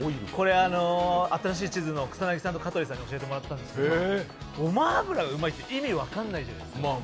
新しい地図の草なぎさんと香取さんに教えてもらったんですけどごま油がうまいって意味分かんないじゃないですか。